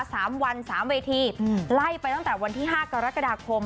สามวันสามเวทีอืมไล่ไปตั้งแต่วันที่ห้ากรกฎาคม